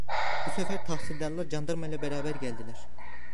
Bu sefer tahsildarlar candarmayla beraber geldiler.